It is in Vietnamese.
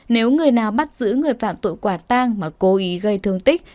nếu người nào bắt giữ người phạm tội quả tang mà cố ý gây thương tích